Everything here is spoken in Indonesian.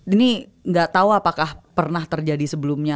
ini gak tau apakah pernah terjadi sebelumnya